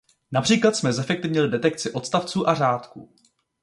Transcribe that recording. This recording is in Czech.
Například jsme zefektivnili detekci odstavců a řádků.